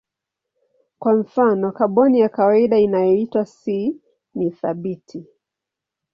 Kwa mfano kaboni ya kawaida inayoitwa C ni thabiti.